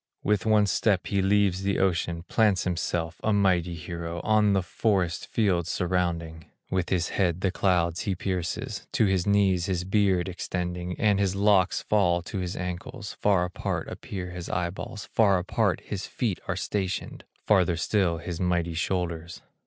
With one step he leaves the ocean, Plants himself, a mighty hero, On the forest fields surrounding; With his head the clouds he pierces, To his knees his beard extending, And his locks fall to his ankles; Far apart appear his eyeballs, Far apart his feet are stationed, Farther still his mighty shoulders.